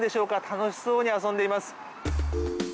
楽しそうに遊んでいます。